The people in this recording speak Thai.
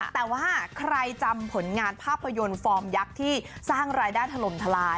แต่ว่าใครจำผลงานภาพยนตร์ฟอร์มยักษ์ที่สร้างรายได้ถล่มทลาย